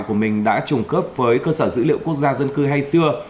của mình đã trùng khớp với cơ sở dữ liệu quốc gia dân cư hay xưa